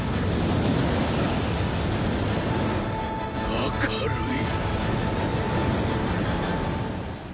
明るい。